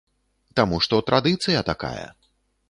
Таму што традыцыя такая.